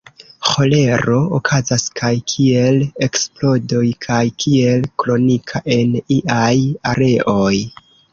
Ĥolero okazas kaj kiel eksplodoj kaj kiel kronika en iaj areoj.